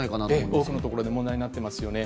多くのところで問題になっていますよね。